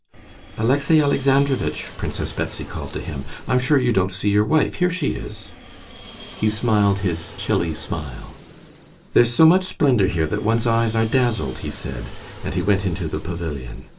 "Alexey Alexandrovitch!" Princess Betsy called to him; "I'm sure you don't see your wife: here she is." He smiled his chilly smile. "There's so much splendor here that one's eyes are dazzled," he said, and he went into the pavilion.